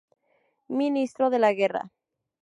Ministro de la Guerra".